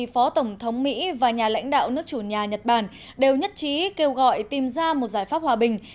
phó tổng thống mỹ và nhà lãnh đạo nước chủ nhà nhật bản đều nhất trí kêu gọi tìm ra một giải pháp hòa bình